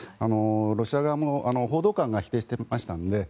ロシア側も報道官が否定していましたので。